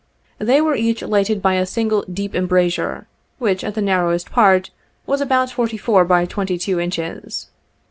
— They were each lighted by a single, deep embrasure, which, at the narrowest part, was about forty four by twenty two inches.